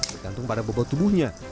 bergantung pada bebo tubuhnya